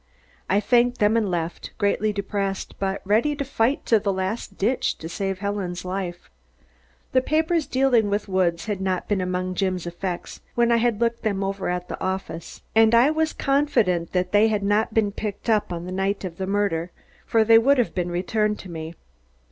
I thanked them and left, greatly depressed but ready to fight to the last ditch to save Helen's life. The papers dealing with Woods had not been among Jim's effects when I had looked them over at the office and I was confident they had not been picked up on the night of the murder, for they would have been returned to me.